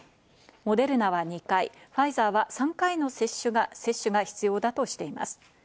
モデルナは２回、ファイザーは３回の接種が必要だとしています。